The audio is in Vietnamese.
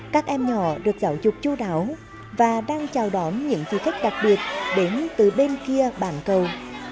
các em nhỏ được giảo trục chú đáo và đang chào đón những vị khách đặc biệt đến từ bên kia bản cầu